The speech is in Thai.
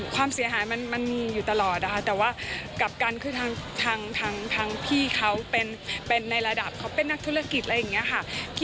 ความเสียหายมันมีอยู่ตลอดนะคะแต่ว่ากลับกันคือทางพี่เขาเป็นในระดับเขาเป็นนักธุรกิจอะไรอย่างนี้ค่ะ